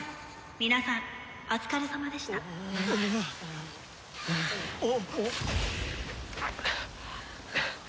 「皆さんお疲れさまでした」はあ。